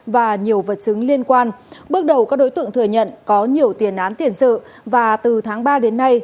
và nhiều vật chứng liên quan bước đầu các đối tượng thừa nhận có nhiều tiền án tiền sự và từ tháng ba đến nay